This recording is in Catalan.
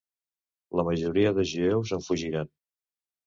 La majoria de jueus en fugiren.